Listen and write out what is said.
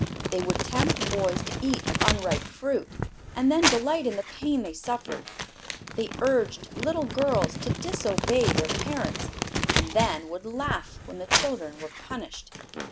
They would tempt boys to eat of unripe fruit, and then delight in the pain they suffered; they urged little girls to disobey their parents, and then would laugh when the children were punished.